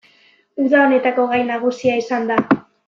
Uda honetako gai nagusia izan da.